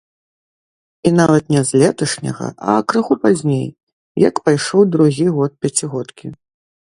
І нават не з леташняга, а крыху пазней, як пайшоў другі год пяцігодкі.